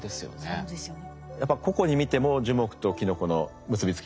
そうですよね。